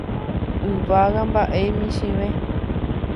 Yvága mba'e michĩve.